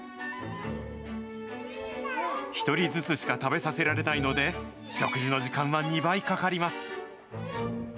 １人ずつしか食べさせられないので、食事の時間は２倍かかります。